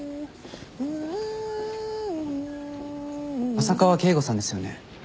浅川啓吾さんですよね？